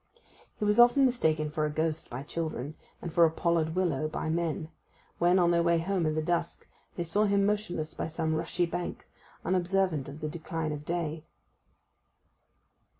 He was often mistaken for a ghost by children; and for a pollard willow by men, when, on their way home in the dusk, they saw him motionless by some rushy bank, unobservant of the decline of day.